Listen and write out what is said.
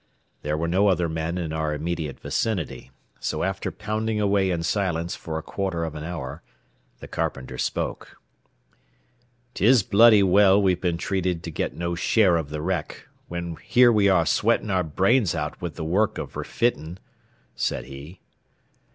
There were no other men in our immediate vicinity, so after pounding away in silence for a quarter of an hour, the carpenter spoke. "'Tis bloody well we've been treated to get no share av the wreck, whin here we are sweatin' our brains out wid th' work av refittin'," said he.